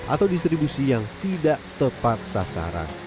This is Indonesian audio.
atau distribusi yang tidak tepat sasaran